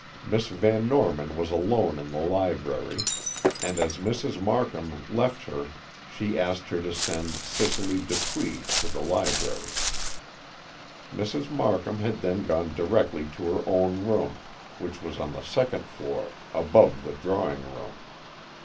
Miss Van Norman was alone in the library, and as Mrs. Markham left her she asked her to send Cicely Dupuy to the library. Mrs. Markham had then gone directly to her own room, which was on the second floor, above the drawing room.